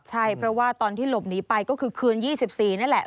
ใช่เพราะว่าตอนที่หลบหนีไปก็คือคืน๒๔นั่นแหละ